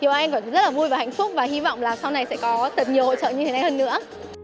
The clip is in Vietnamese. nhiều em cảm thấy rất là vui và hạnh phúc và hy vọng là sau này sẽ có thật nhiều hỗ trợ như thế này hơn nữa